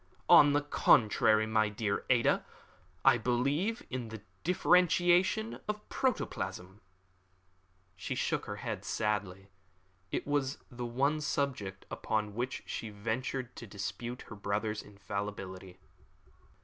"On the contrary, my dear Ada, I believe in the differentiation of protoplasm." She shook her head sadly. It was the one subject upon which she ventured to dispute her brother's infallibility.